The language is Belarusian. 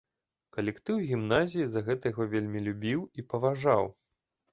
Калектыў гімназіі за гэта яго вельмі любіў і паважаў.